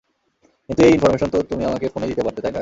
কিন্তু এই ইনফরমেশন তো তুমি আমাকে ফোনেই দিতে পারতে, তাই না?